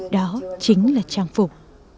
đó chính là trang phục